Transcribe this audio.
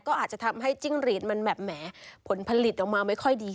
ก็อาจจะทำให้จิ้งหรีดมันแบบแหมผลผลิตออกมาไม่ค่อยดี